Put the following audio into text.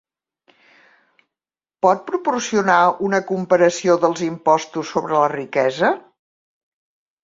Pot proporcionar una comparació dels impostos sobre la riquesa?